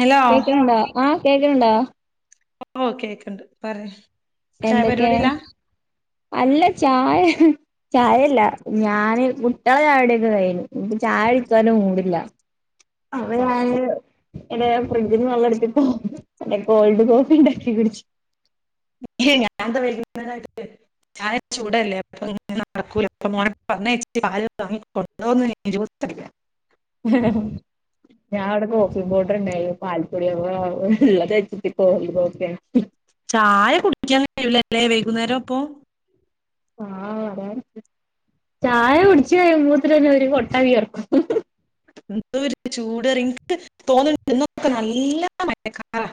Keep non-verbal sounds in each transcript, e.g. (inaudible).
Hello കേൾക്കണണ്ടോ ആഹ് കേൾക്കണണ്ടോ. ഓ കേൾക്കണ്ട് പറയാ- എന്തൊക്കെയ അല്ല ചായ- ചായല്ല ഞാന് കുട്ട്യാളുടെ ചായ കുടിയൊക്കെ കഴിഞ്ഞു ചായ കുടിക്കാൻ ഒരു മൂഡില്ല. അപ്പോ ഞാന്- എവിടെ ഫ്രിഡ്ജിന് വെള്ളം എടുത്തിട്ട് കോൾഡ് കോഫി ഉണ്ടാക്കി കുടിച്ചു. (unintelligible) ചായ ചൂടല്ലേ അപ്പോ ഇനിനടക്കൂല്ല അപ്പോ മോനെ പറഞ്ഞയച്ചിട്ട് പാൽ വാങ്ങികൊണ്ടോന്ന് ജൂസ് അടി- ആഹ്.. ഞാൻ അവിടെ കോഫി പൗഡർ ഉണ്ടായിരുന്നു പാൽപ്പൊടി ഉള്ളത് വെച്ചിട്ട് കോൾഡ് കോഫി- ചായ കുടിക്കാൻ കഴിയില്ലല്ലോ വൈകുന്നേരം അപ്പോ- ആഹ് അതാണ് ചായ കുടിച്ച് കഴിയുമ്പോഴേക്കും തന്നെ ഒരു കൊട്ട വിയർക്കും. എന്ത ഒരു ചൂട്അറിയോ ങ്ങക്ക് തോന്നണ്ട് നല്ല മഴക്കാർ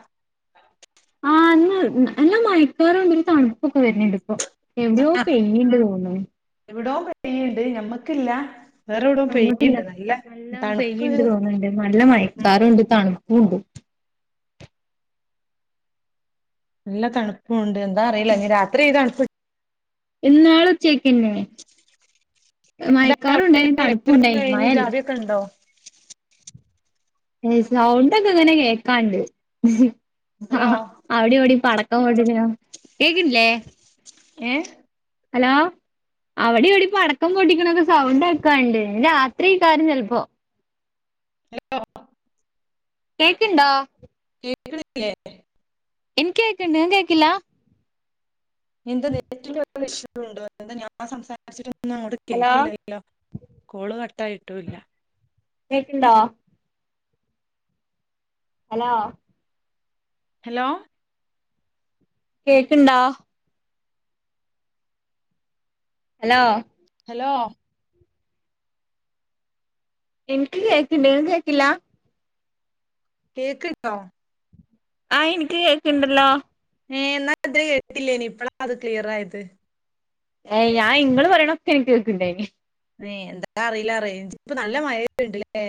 ആഹ് ഇന്ന് മയക്കാറുണ്ട ഒരു തണുപ്പൊക്കെ വരുന്നുണ്ട് ഇപ്പോ. എവിടെയോ ആഹ് പെയ്ണ്ട് തോന്നണു. എവിടോ പെയ്യ്ണ്ട് ഞമ്മക്കില്ല. വേറെ എവിടോ ആ ങ്ങട്ടില്ല പെയ്യ്ണ്ട് നല്ല തണുപ്പ് പെയ്യ്ണ്ട് തോന്നുണ്ട് നല്ല ഉം മയക്കാറുണ്ട് തണുപ്പും ണ്ട്. നല്ല തണുപ്പുണ്ട് എന്താ അറില ഇനി രാത്രി ഈ തൺ ഇന്നാള് ഇച്ചക്കന്നേ മയക്കാറുണ്ടായിനി തണുപ്പും ണ്ടായിനി മഴല്ല. ക്ക ണ്ടോ. ഏ സൗണ്ടൊക്കെ അങ്ങനെ കേക്കാണ്ട്. ഹലോ അവിടെ ഇ വിടെ പടക്കം പൊട്ടിക്കണ തും കേക്കില്ലേ? ഏഹ് ഹലോ അവിടെ ഇവിടെ പടക്കം പൊട്ടിക്കണൊക്കെ സൗണ്ട് കേക്കാണ്ട് രാത്രി ആക്കാരം ചെൽപ്പോ. ഹലോ കേക്ക്ണ്ടോ? കേക്ക്ണ്ല്ലേ? ഇൻക്ക് കേക്കിണ്ട് ഇങ്ങൾക്ക് കേക്കില്ല എന്തോ നെറ്റിന്റെ ഇഷ്യൂ ണ്ടോ ഞാൻ സംസാരിച്ചിട്ടൊന്നും ഒന്നും അങ്ങട്ട് ഹലോ കേൾക്കില്ലല്ലോ. ഹലോ കോള് കട്ടായിട്ടുല്ല. കേക്ക്ണ്ടോ? ഹലോ ഹലോ കേക്ക്ണ്ടോ? ഹലോ ഹലോ ഇൻക്ക് കേക്ക്ണ്ട് ങ്ങക്ക് കേക്കില്ല. കേക്ക്ണ്ടോ? ആഹ് ഇൻക്ക് കേക്കണ്ടല്ലോ. ഏഹ് എന്നാ ഇതി കേട്ടില്ലേനി പ്പളാ ത് ക്ലിയർ ആയത്. ഏയ് ഞാൻ ങ്ങള് പറയണൊക്ക ഇൻക്ക് കേക്കുണ്ടായിനി. ഏഹ് എന്താ അറില റേഞ്ച് ഇപ്പ നല്ല മഴ വെര്ന്ണ്ട് ലേ?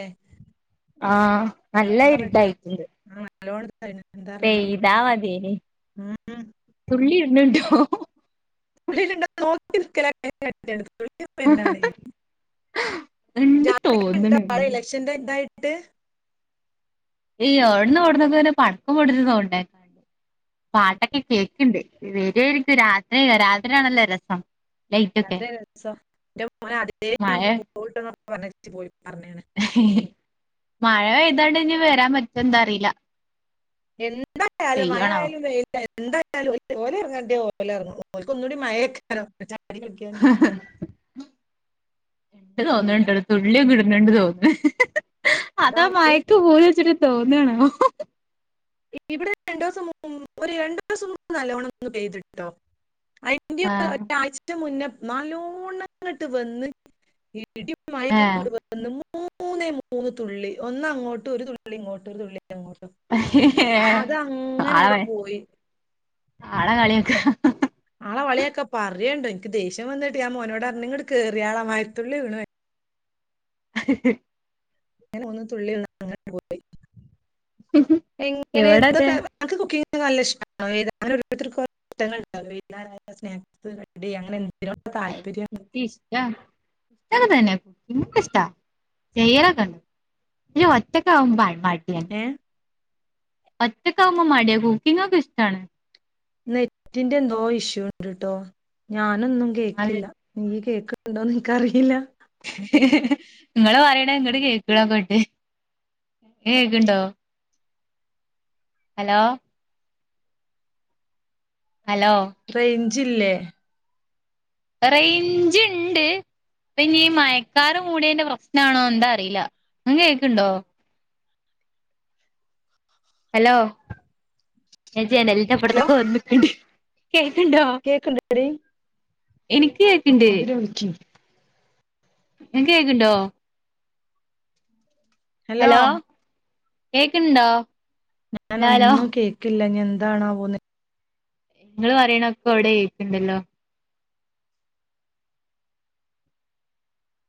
ആഹ് നല്ല ഇരുടായിക്കിണ്ട് ആഹ് നല്ലോണ ഇരിടായിണ് എന്താ അറില. താവാതനി, തുള്ളി ഇരുന്നുണ്ടോ? (unintelligible) ഇണ്ട് തോന്ന്ണ് (unintelligible) ഇലക്ഷന്റെ ഇതായിട്ട്. ഈ അവടന്നും, ഇവടന്നും ക്കങ്ങനെ പടക്കം പൊട്ടിച്ചണ സൗണ്ട് കേക്ക. പാട്ടൊക്കെ ഉം. കേൾക്കണ്ട്. വരയിരിക്കും രാത്രി, രാത്രി- ആണല്ലോ രസം. ലൈറ്റൊക്കെ രാത്രി രസം എന്റെ മോന അതേ- ഞാൻ മഴ പോയിട്ടൊക്കെ പറഞ്ഞ- പോയി പറഞ്ഞാണ്. മഴ പെയ്തോണ്ട് ഇനിവരാൻ പറ്റു ന്തഅറീല. എന്തായാലും, അയാലും മഴ- ആയാലും വെയി- എന്തായാലും ഓല ഇറങ്ങാണ്ടേ ഓല ഇറങ്ങും ഓലക്ക് ഒന്നുകൂടി മയക്ക്. ചാടി കളിക്കാൻ, (unintelligible) എന്താ. തുള്ളി ഇടുന്നുണ്ട് തോന്നേ, ദാ അതാ അവിടെ മയക്ക് പൂതി വച്ചിട്ട്- തോന്നണോ. ഇവിടെ രണ്ടു ദിവസം മ് ഒരു- രണ്ടു ദിവസം മുമ്പ് നല്ലോണം- ഒന്ന് പെയ്ത്ട്ടോ. ഈ ഒരാഴ്ച മുന്നേ നാലോണംങ്ങട്ട് വന്ന്. ഇടിം, മയി ആഹ് ഇങ്ങട്ട് വന്നു. ന്ന് മൂന്നേ, മൂന്ന് തുള്ളി ഒന്ന്- അങ്ങോട്ട് ഒരു തുള്ളി ഇങ്ങോട്ട്- ഒരു തുള്ളി അങ്ങോട്ട്. ആളെ, പോയി ആളെ കളിയാക്ക. ആളെ കളിയാക്കാ പറയണ്ട. എനിക്ക് ദേഷ്യം വന്നട്ട ഞാ- മോനോട് അറഞ്ഞ് ഇങ്ങട്ട്- കേറിയാള മഴ ത്തുള്ളി വീണ് മ - (inaudible) (inaudible) എവിടെ അത് എനിക്ക് കുക്കിങ്ങി നല്ല ഇഷ്ട, (inaudible) റെഡി അങ്ങനെ എന്തിനോ താല്പര്യം. ഇനിക്ക് ഇഷ്ടാ കുക്കിംഗ് ഒക്ക- ഇഷ്ടാ ചെയ്യലൊക്കെണ്ട്. ഈ ഒറ്റക്ക ആവ് മ്പാ മടിയാ. ഏ... ഒറ്റകവുമ്പോ മടിയാകും, കുക്കിംഗ് ഒക്ക ഇഷ്ടാണ്‌. നെറ്റിന്റെ എന്തോ ഇഷ്യൂണ്ട്ട്ടോ- ഞാനൊന്നും കേക്കില്ല. നീ കേക്കണ്ടോന്ന് എനിക്കറിയില്ല. നിങ്ങള് പറയണ ഇങ്ങോട്ട്- കേക്കണക്കെണ്ട്, കേക്കണ്ടോ? ഹലോ... ഹലോ.... റേഞ്ച് ഇല്ലേ? റേഞ്ച് ഉണ്ട്. ന്നീഈ മയക്കാരും മൂടി യന്റെ- പ്രശ്ന ആണോ? എന്താ അറിയില്ല ങ്ങ കേൾക്കണ്ടോ? ഹലോ... ഞാ- ജനലിന്റെപ്പറത്തൊക്കെ- വന്നിക്കണ്ട്. കേൾക്കണ്ണ്ടോ? കേക്കണണ്ടടീ. എനക്ക് കേക്കണ്ട്. വിളിക്കി. ങ്ങക്ക് കേക്കണ്ടോ? ഹലോ കേക്കണ്ടോ? ഞാനൊന്നും കേക്കില്ല, ഞ- എന്താണാആവോ. നിങ്ങള് പറയണൊക്കെ- വിടേകേക്കണ്ടലോ?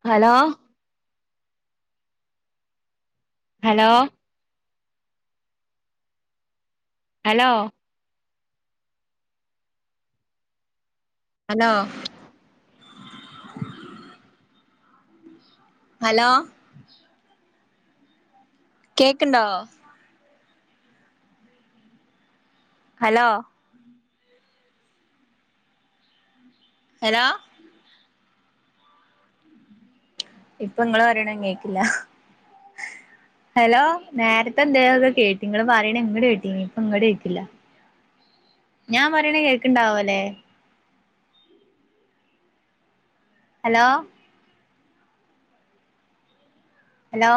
Hello... hello... hello... hello... hello കേക്ക്ണ്ടോ ഹലോ ഹലോ ഇപ്പങ്ങള് പറയണും കേക്ക് ല്ല ഹെലോ നേരത്തെന്തേലൊക്കെ കേട്ടീന്ന് ങ്ങള് പറിണെ ങ്ങട് കേട്ടീനി പ്പങ്ങട് കേക്ക്ല്ല ഞാൻ പറയ്ണ കേക്ക്ണ്ടാവ ലേ ഹലോ ഹലോ